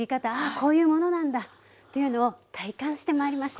「こういうものなんだ」というのを体感してまいりました。